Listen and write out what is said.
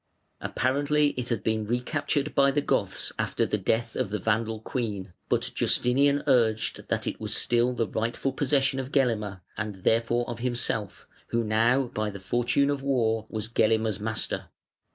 Apparently it had been recaptured by the Goths after the death of the Vandal queen, but Justinian urged that it was still the rightful possession of Gelimer, and therefore of himself, who now by the fortune of war was Gelimer's master.